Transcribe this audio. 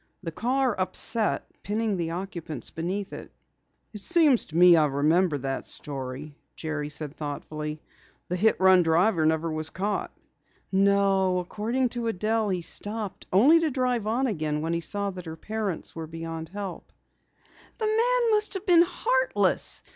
The car upset, pinning the occupants beneath it." "It seems to me I remember that story," Jerry said thoughtfully. "The hit run driver never was caught." "No, according to Adelle he stopped, only to drive on again when he saw that her parents were beyond help." "The man must have been heartless!"